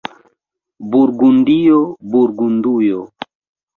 Burgundio, Burgundujo.